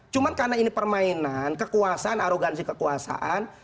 cuma karena ini permainan kekuasaan arogansi kekuasaan